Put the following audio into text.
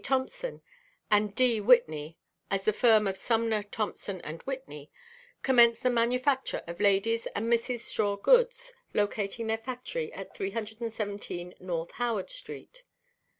Thompson and D. Whitney, as the firm of Sumner, Thompson & Whitney, commenced the manufacture of ladies' and misses' straw goods, locating their factory at 317 N. Howard street.